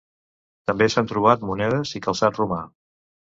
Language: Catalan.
També s'han trobat monedes i calçat romà.